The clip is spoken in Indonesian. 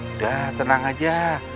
udah tenang aja